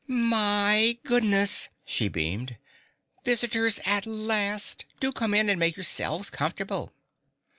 "My goodness!" she beamed. "Visitors at last! Do come in and make yourselves comfortable."